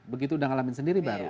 begitu udah ngalamin sendiri baru